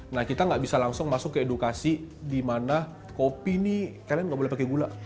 nah kita nggak bisa langsung masuk ke edukasi di mana kopi ini kalian nggak boleh pakai gula